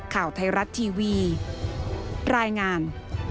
ข่าวไทยรัฐทีวีรายงาน